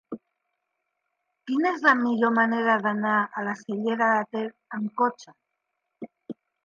Quina és la millor manera d'anar a la Cellera de Ter amb cotxe?